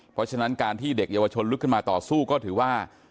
เพราะฉะนั้นการที่เด็กเยาวชนลุกขึ้นมาต่อสู้ก็ถือว่า